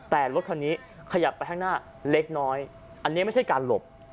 แต่รถคันนี้ขยับไปข้างหน้าเล็กน้อยอันนี้ไม่ใช่การหลบ